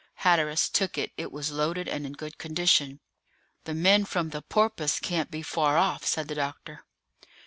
Hatteras took it; it was loaded and in good condition. "The men from the Porpoise can't be far off," said the doctor.